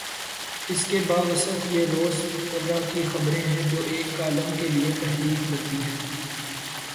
اس کے باوصف یہ روز مرہ کی خبریں ہیں جو ایک کالم کے لیے تحریک بنتی ہیں۔